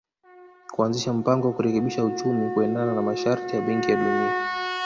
kuanzisha mpango wa kurekebisha uchumi kuendana na masharti ya Benki ya Dunia